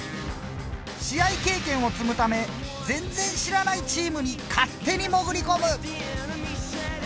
試合経験を積むため全然知らないチームに勝手に潜り込む！